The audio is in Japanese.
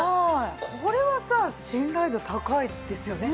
これはさ信頼度高いですよね。